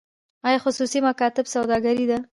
آیا خصوصي مکاتب سوداګري ده؟